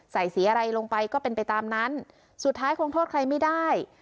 ใส่สีอะไรลงไปก็เป็นไปตามนั้นสุดท้ายคงโทษใครไม่ได้